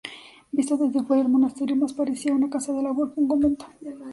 Visto desde fuera el monasterio más parecía una casa de labor que un convento.